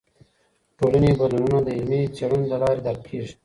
ټولنې بدلونونه د علمي څیړنو له لارې درک کیږي.